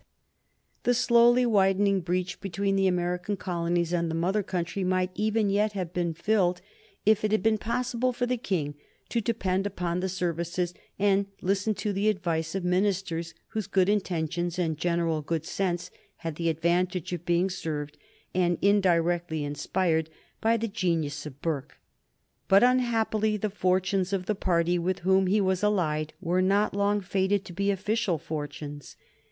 [Sidenote: 1766 End of the Rockingham Administration] The slowly widening breach between the American colonies and the mother country might even yet have been filled if it had been possible for the King to depend upon the services and listen to the advice of ministers whose good intentions and general good sense had the advantage of being served and indirectly inspired by the genius of Burke. But unhappily, the fortunes of the party with whom he was allied were not long fated to be official fortunes.